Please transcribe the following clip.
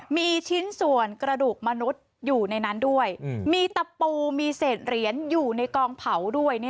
มีชิ้นส่วนกระดูกมนุษย์อยู่ในนั้นด้วยมีตะปูมีเศษเหรียญอยู่ในกองเผาด้วย